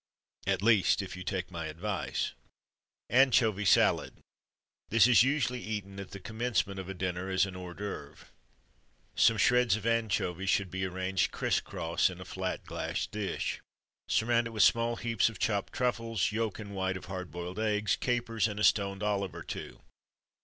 At least, if you take my advice. Anchovy Salad. This is usually eaten at the commencement of dinner, as a hors d'oeuvre. Some shreds of anchovy should be arranged "criss cross" in a flat glass dish. Surround it with small heaps of chopped truffles, yolk and white of hard boiled eggs, capers, and a stoned olive or two.